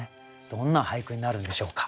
どんな俳句になるんでしょうか。